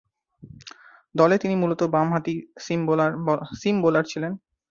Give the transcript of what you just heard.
দলে তিনি মূলতঃ বামহাতি সিম বোলার ছিলেন।